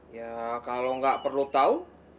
ya kalau gak perlu tau